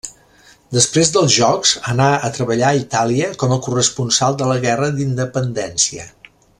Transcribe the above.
Després dels jocs anà a treballar a Itàlia com a corresponsal de la Guerra d'independència.